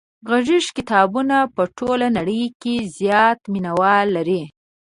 غږیز کتابونه په ټوله نړۍ کې زیات مینوال لري.